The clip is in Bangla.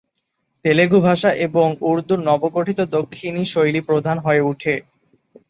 তেলুগু ভাষা এবং উর্দুর নবগঠিত দক্ষিণী শৈলী প্রধান হয়ে উঠে।